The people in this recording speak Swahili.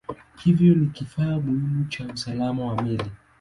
Hivyo ni kifaa muhimu cha usalama wa meli.